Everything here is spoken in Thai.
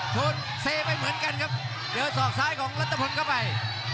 โดนเซไปเหมือนกันครับเจอศอกซ้ายของรัฐพลเข้าไป